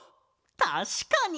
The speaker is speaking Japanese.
たしかに！